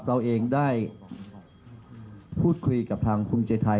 เราเองได้พูดคุยกับทางภูมิใจไทย